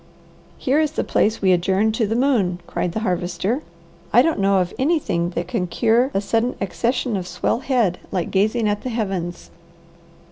"Here is the place we adjourn to the moon," cried the Harvester. "I don't know of anything that can cure a sudden accession of swell head like gazing at the heavens.